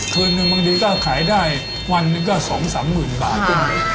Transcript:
เทอร์นึงบางทีก็ขายได้วันนี้ก็๒๓๐๐๐๐บาท